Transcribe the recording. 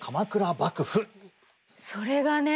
それがね